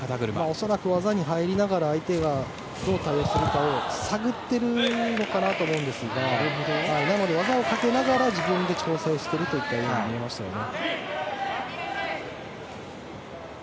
恐らく技に入りながら相手がどう対応するのかを探っているのかなと思うんですがなので、技をかけながら自分で調整しているように見えましたよね。